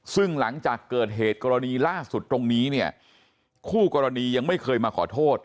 ซึ่งหลังจากเกิดเหตุกรณีล่าสุดตรงนี้เนี่ยคู่กรณียังไม่เคยมาขอโทษ